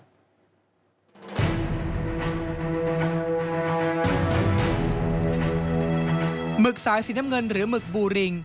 หึกสายสีน้ำเงินหรือหมึกบูริง